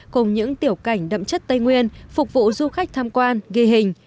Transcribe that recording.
cùng những tiểu cảnh đậm chất tây nguyên phục vụ du khách tham quan ghi hình